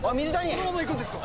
そのままいくんですか？